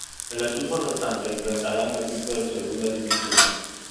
El equipo restante enfrentará a un equipo de Segunda División.